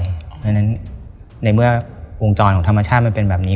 เพราะฉะนั้นในเมื่อวงจรของธรรมชาติมันเป็นแบบนี้